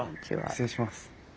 失礼します。